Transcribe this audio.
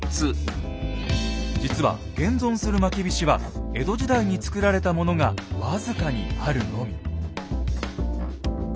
実は現存するまきびしは江戸時代に作られたものが僅かにあるのみ。